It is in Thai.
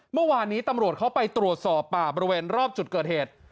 เมื่อวานนี้ตำรวจเขาไปตรวจสอบป่าบริเวณรอบจุดเกิดเหตุ